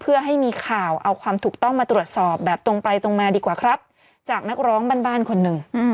เพื่อให้มีข่าวเอาความถูกต้องมาตรวจสอบแบบตรงไปตรงมาดีกว่าครับจากนักร้องบ้านบ้านคนหนึ่ง